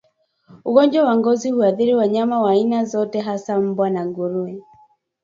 Ugonjwa wa ngozi huathiri wanyama wa aina zote hasa mbwa na nguruwe